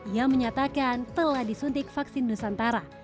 yang menyatakan telah disuntik vaksin nusantara